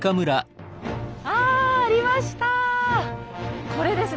あありました！